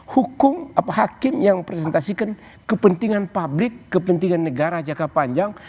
hukum hakim yang presentasikan kepentingan publik kepentingan negara jangka panjang